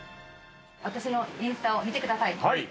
私のインスタを見てください。